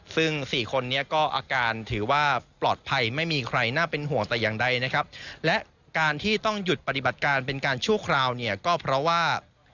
ซึ่งสี่คนนี้ก็อาการถือว่าปลอดภัยไม่มีใครน่าเป็นห่วงแต่อย่างใดนะครับและการที่ต้องหยุดปฏิบัติการเป็นการชั่วคราวเนี่ยก็เพราะว่า